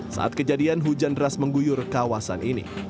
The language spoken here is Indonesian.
saat kejadian hujan deras mengguyur kawasan ini